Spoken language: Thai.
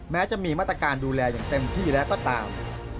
แม้จะมีมาตรการดูแลอย่างเต็มที่แล้วก็ตาม